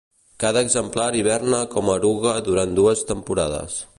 Cada exemplar hiberna com a eruga durant dues temporades.